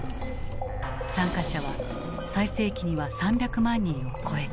参加者は最盛期には３００万人を超えた。